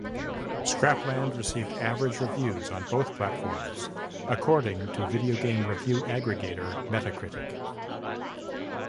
"Scrapland" received "average" reviews on both platforms according to video game review aggregator Metacritic.